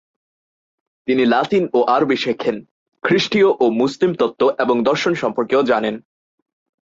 তিনি লাতিন ও আরবি শেখেন, খ্রিস্টীয় ও মুসলিম তত্ত্ব এবং দর্শন সম্পর্কেও জানেন।